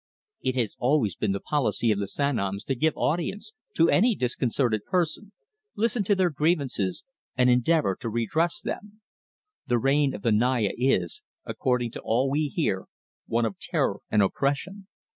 It has always been the policy of the Sanoms to give audience to any discontented person, listen to their grievances, and endeavour to redress them. The reign of the Naya is, according to all we hear, one of terror and oppression.